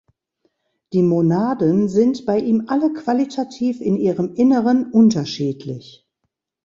Die Monaden sind bei ihm alle qualitativ in ihrem Inneren unterschiedlich.